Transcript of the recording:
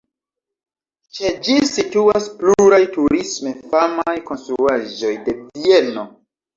Ĉe ĝi situas pluraj turisme famaj konstruaĵoj de Vieno.